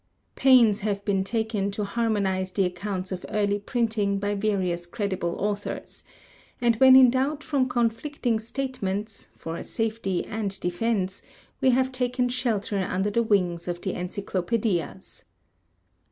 Pains have been taken to harmonize the accounts of early printing by various credible authors, and when in doubt from conflicting statements, for safety and defense, we have taken shelter under the wings of the encyclopædias.